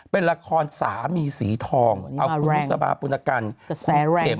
เป็นละครสามีสีทองอาหารสมปุณกริจกระแสแรง